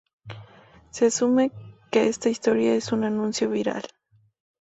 Se asume que esta historia es un anuncio viral.